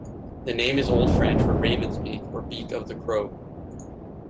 The name is Old French for "raven's beak" or "beak of the crow".